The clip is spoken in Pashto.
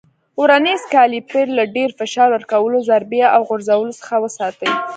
ورنیز کالیپر له ډېر فشار ورکولو، ضربې او غورځولو څخه وساتئ.